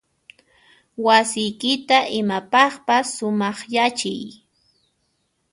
Wasiykita imapaqpas sumaqyachiy.